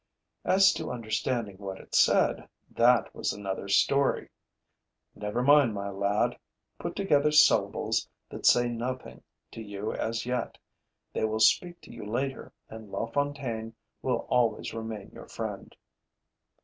As to understanding what it said, that was another story! Never mind, my lad! Put together syllables that say nothing to you as yet; they will speak to you later and La Fontaine will always remain your friend.